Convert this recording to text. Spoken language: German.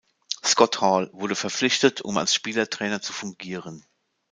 Scott Hall wurde verpflichtet, um als Spielertrainer zu fungieren.